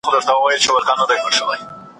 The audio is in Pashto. هغه وویل چي ژوندپوهنه د طبیعت کتاب دی.